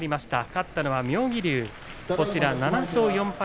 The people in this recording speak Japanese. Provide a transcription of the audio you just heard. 勝ったのは妙義龍、７勝４敗